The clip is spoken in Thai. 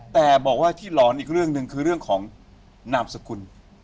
แต่บอกว่าที่หลอนอีกเรื่องหนึ่งคือเรื่องของนามสกุล